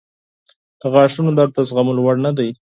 • د غاښونو درد د زغملو وړ نه دی.